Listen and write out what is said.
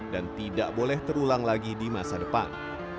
dan tidak boleh terulang lagi di masa depan